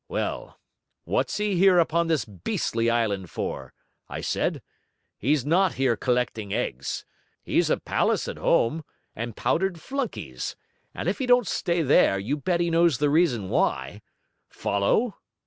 Well, what's he here upon this beastly island for? I said. HE'S not here collecting eggs. He's a palace at home, and powdered flunkies; and if he don't stay there, you bet he knows the reason why! Follow?'